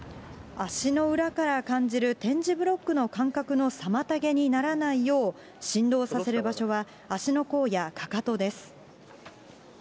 足の裏から感じる点字ブロックの感覚の妨げにならないよう、振動させる場所は、足の甲やかかとです。